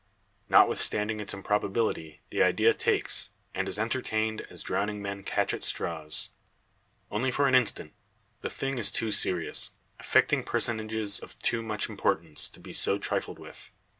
Notwithstanding its improbability, the idea takes, and is entertained, as drowning men catch at straws. Only for an instant. The thing is too serious, affecting personages of too much importance, to be so trifled with.